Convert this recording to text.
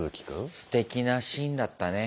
すてきなシーンだったね。